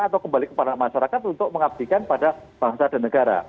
atau kembali kepada masyarakat untuk mengabdikan pada bangsa dan negara